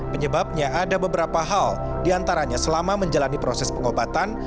penyebabnya ada beberapa hal diantaranya selama menjalani proses pengobatan